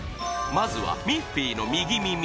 まずはミッフィーの右耳